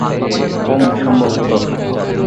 হুম, সম্ভবত।